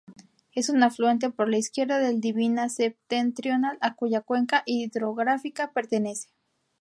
Es un afluente por la izquierda del Dvina Septentrional, a cuya cuenca hidrográfica pertenece.